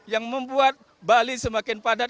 yang membuat bali semakin padat